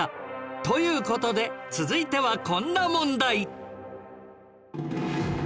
という事で続いてはこんな問題